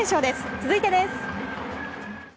続いてです。